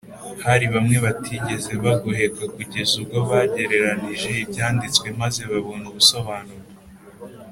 hari bamwe batigeze bagoheka kugeza ubwo, bagereranije ibyanditswe, maze babona ubusobanuro